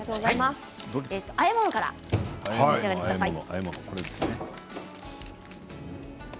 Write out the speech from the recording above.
あえ物からお召し上がりください。